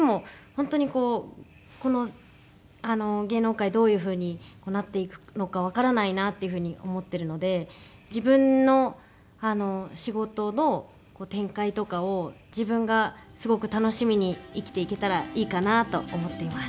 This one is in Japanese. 本当にこうこの芸能界どういう風になっていくのかわからないなっていう風に思ってるので自分の仕事の展開とかを自分がすごく楽しみに生きていけたらいいかなと思っています。